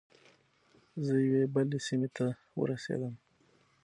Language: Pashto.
زه یوې بلې سیمې ته ورسیدم.